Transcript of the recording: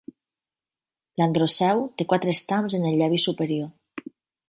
L'androceu té quatre estams en el llavi superior.